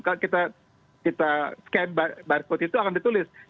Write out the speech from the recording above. kalau kita scan barcode itu akan ditulis